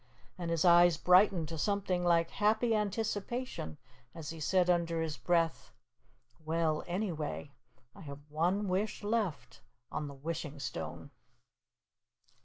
And his eyes brightened to something like happy anticipation as he said under his breath, "Well, anyway, I have one wish left on the Wishing Stone."